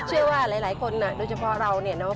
ชื่อว่าหลายคนน่ะด้วยเฉพาะเราเนี่ยเนาะ